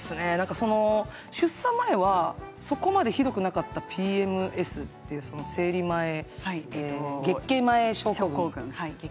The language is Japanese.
出産前はそこまでひどくなかったＰＭＳという月経前症候群ですね。